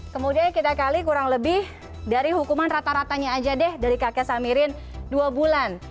kemudian kita kali kurang lebih dari hukuman rata ratanya aja deh dari kakek samirin dua bulan